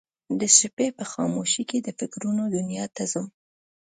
د شپې په خاموشۍ کې د فکرونه دنیا ته ځم